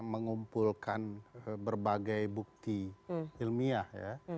mengumpulkan berbagai bukti ilmiah ya